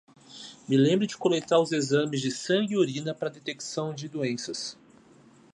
Me lembre de coletar os exames de sangue e urina para detecção de doenças